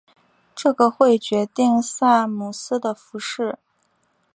这个会决定萨姆斯的服饰。